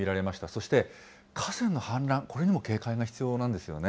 そして河川の氾濫、これにも警戒が必要なんですよね。